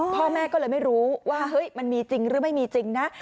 พ่อแม่ก็เลยไม่รู้ว่าเฮ้ยมันมีจริงหรือไม่มีจริงนะ